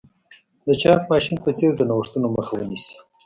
د چاپ ماشین په څېر د نوښتونو مخه ونیسي.